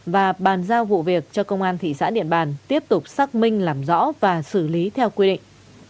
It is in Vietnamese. và bàn giao vụ việc cho công an thị xã điện bàn tiếp tục xác minh làm rõ và xử lý theo quy định